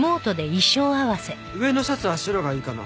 上のシャツは白がいいかな。